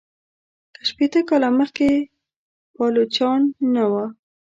که شپیته کاله مخکي پایلوچان نه وه.